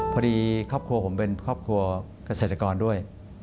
พอดีครอบครัวผมเป็นครอบครัวเกษตรกรด้วย